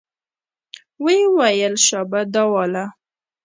ويې ويل شابه دا واله.